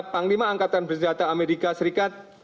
panglima angkatan bersenjata amerika serikat